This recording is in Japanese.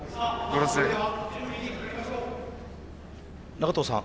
長藤さん